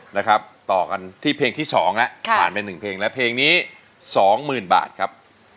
นะครับต่อกันที่เพลงที่๒แล้วผ่านไป๑เพลงแล้วเพลงนี้สองหมื่นบาทครับ